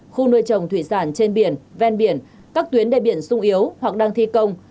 khu nuôi trồng thủy sản trên biển ven biển các tuyến đề biển sung yếu hoặc đang thi công